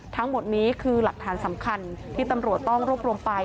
ทั้งหมดนี้คือหลักฐานสำคัญที่ตำรวจต้องรวบรวมไป